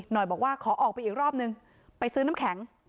หน่อยบอกว่าขอออกไปอีกรอบนึงไปซื้อน้ำแข็ง